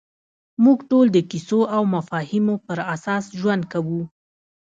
موږ ټول د کیسو او مفاهیمو پر اساس ژوند کوو.